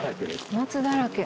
松だらけ